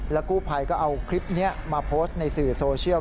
กู้ภัยก็เอาคลิปนี้มาโพสต์ในสื่อโซเชียล